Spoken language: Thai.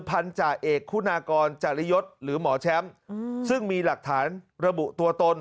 พันธาเอกคุณากรจริยศหรือหมอแชมป์ซึ่งมีหลักฐานระบุตัวตน